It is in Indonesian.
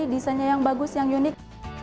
desainnya yang bagus yang unik